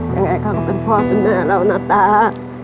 ยังไงเขาก็เป็นพ่อเป็นแม่เรานะตา